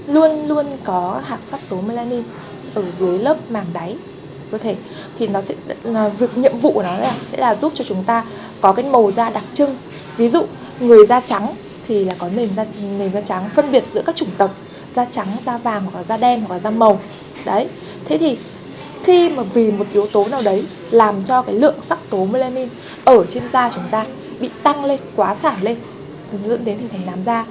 lượng sắc tố melanin ở trên da chúng ta bị tăng lên quá sản lên dẫn đến hình thành nám da